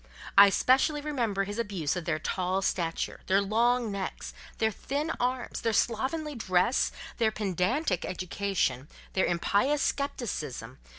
I specially remember his abuse of their tall stature, their long necks, their thin arms, their slovenly dress, their pedantic education, their impious scepticism